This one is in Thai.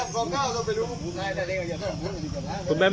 สวัสดีครับคุณแฟม